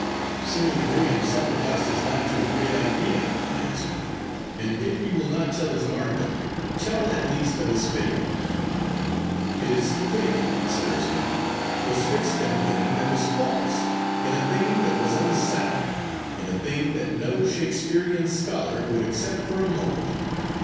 'Cyril Graham sacrificed his life to a great Idea,' I answered; 'and if you will not tell of his martyrdom, tell at least of his faith.' 'His faith,' said Erskine, 'was fixed in a thing that was false, in a thing that was unsound, in a thing that no Shakespearean scholar would accept for a moment.